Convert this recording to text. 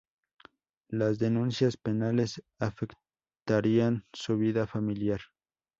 Las denuncias penales afectarían su vida familiar.